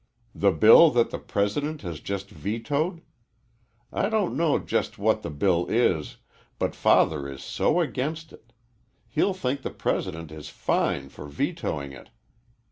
The bill that the President has just vetoed? I don't know just what the bill is, but Father is so against it. He'll think the President is fine for vetoing it!"